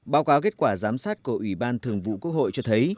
báo cáo kết quả giám sát của ủy ban thường vụ quốc hội cho thấy